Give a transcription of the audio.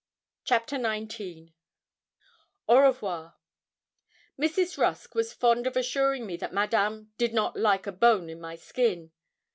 CHAPTER XIX AU REVOIR Mrs. Rusk was fond of assuring me that Madame 'did not like a bone in my skin.'